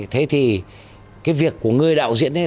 thế thì cái việc của người đạo diễn